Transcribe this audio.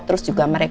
terus juga mereka